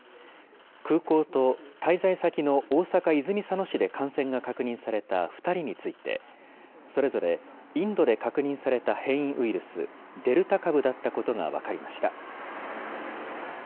空港と滞在先の大阪・泉佐野市で感染が確認された２人について、それぞれインドで確認された変異ウイルス、デルタ株だったことが分かりました。